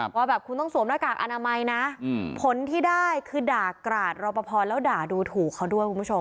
ว่าแบบคุณต้องสวมหน้ากากอนามัยนะผลที่ได้คือด่ากราดรอปภแล้วด่าดูถูกเขาด้วยคุณผู้ชม